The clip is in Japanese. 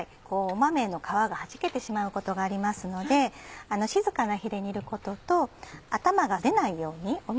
豆の皮がはじけてしまうことがありますので静かな火で煮ることと。